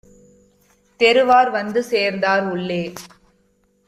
தெருவார் வந்து சேர்ந்தார் உள்ளே.